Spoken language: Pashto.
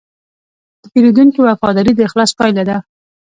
د پیرودونکي وفاداري د اخلاص پایله ده.